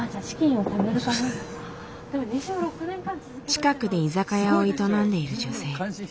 近くで居酒屋を営んでいる女性。